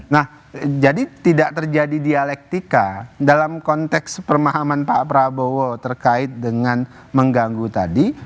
nah jadi tidak terjadi dialektika dalam konteks pemahaman pak prabowo terkait dengan mengganggu tadi